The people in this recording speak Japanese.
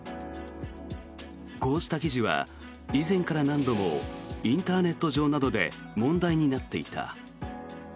こうした記事は以前から何度もインターネット上などで問題になっていた。